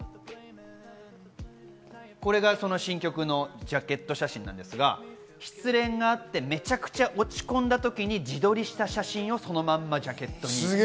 これが新曲のジャケット写真なんですが、失恋があって、めちゃくちゃ落ち込んだ時に自撮りした写真をそのままジャケットに。